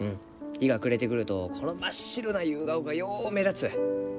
日が暮れてくるとこの真っ白なユウガオがよう目立つ。